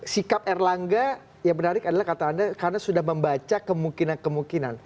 sikap erlangga yang menarik adalah kata anda karena sudah membaca kemungkinan kemungkinan